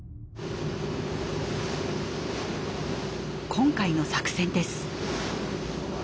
今回の作戦です。